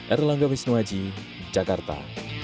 erlangga wisnuaji jakarta